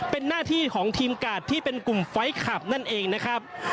เป็นหน้าที่ของทีมกาดที่เป็นกลุ่มไฟล์คลับนั่นเองนะครับ